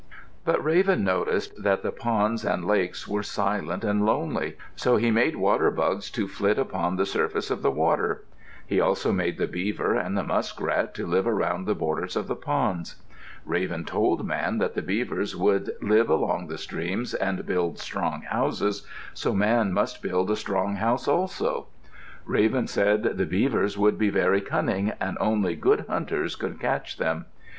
But Raven noticed that the ponds and lakes were silent and lonely, so he made water bugs to flit upon the surface of the water. He also made the beaver and the muskrat to live around the borders of the ponds. Raven told Man that the beavers would live along the streams and build strong houses, so Man must build a strong house also. Raven said the beavers would be very cunning and only good hunters could catch them.